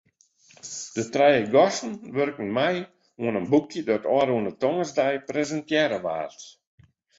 De trije gasten wurken mei oan in boekje dat ôfrûne tongersdei presintearre waard.